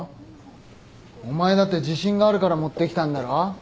お前だって自信があるから持ってきたんだろ。